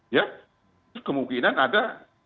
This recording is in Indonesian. ya kemungkinan ada